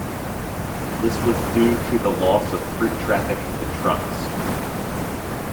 This was due to the loss of fruit traffic to trucks.